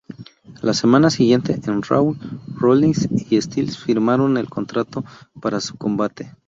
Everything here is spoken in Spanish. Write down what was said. La semana siguiente en Raw, Rollins y Styles firmaron el contrato para su combate.